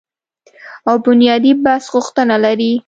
او بنیادي بحث غوښتنه لري